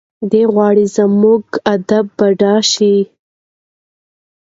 دی غواړي چې زموږ ادب بډایه شي.